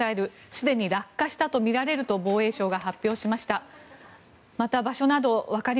すでに落下したとみられると防衛省が発表しました。